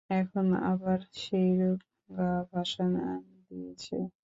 এখন আবার সেইরূপে গা ভাসান দিয়েছি।